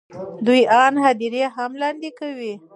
دوی آن هدیرې هم لاندې کوي.